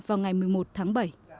vào ngày một mươi một tháng bảy